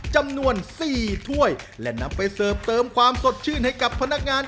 จำนวน๔ถ้วยและนำไปเสิร์ฟเติมความสดชื่นให้กับพนักงาน